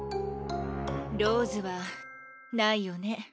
ローズはないよね。